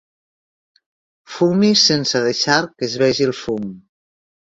Fumis sense deixar que es vegi el fum.